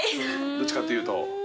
どっちかっていうと。